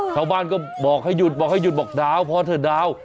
ชาวบ้านก็บอกให้หยุดบอกให้หยุดบอกดาวพอเถอะดาว